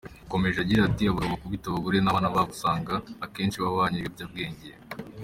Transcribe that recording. Yakomeje agira ati : "Abagabo bakubita abagore n’abana babo usanga akenshi baba banyoye ibiyobyabwenge.